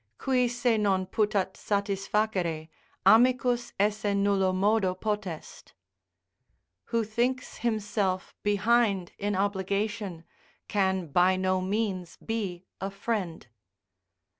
"Qui se non putat satisfacere, amicus esse nullo modo potest." ["Who thinks himself behind in obligation, can by no means be a friend."